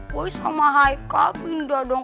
boy sama haikal pindah dong